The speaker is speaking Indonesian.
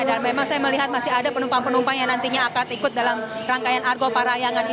dan memang saya melihat masih ada penumpang penumpang yang nantinya akan ikut dalam rangkaian argo parahyangan ini